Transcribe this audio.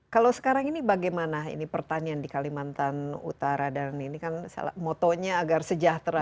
kalau sekarang ini bagaimana ini pertanian di kalimantan utara dan ini kan motonya agar sejahtera